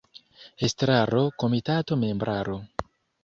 Estraro – Komitato – Membraro.